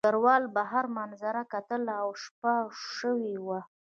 ډګروال بهر منظره کتله او شپه شوې وه